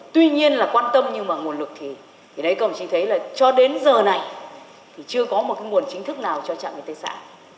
tuy nhiên là quan tâm nhưng mà nguồn lực thì đấy các ông chí thấy là cho đến giờ này thì chưa có một cái nguồn chính thức nào cho trạm y tế xã